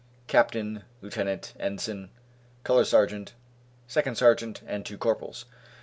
captain, lieutenant, ensign, color sergeant, second sergeant, and two corporals.